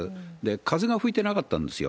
風が吹いてなかったんですよ。